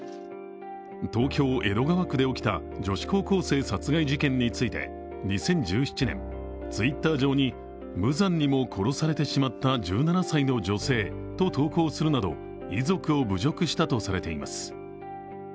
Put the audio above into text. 東京・江戸川区で起きた女子高校生殺害事件について２０１７年、Ｔｗｉｔｔｅｒ上に無残にも殺されてしまった１７歳の女性と投稿するなど遺族を侮辱したとされています。